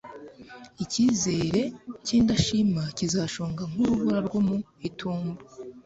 icyizere cy'indashima kizashonga nk'urubura rwo mu itumba